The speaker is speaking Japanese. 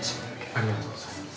◆ありがとうございます。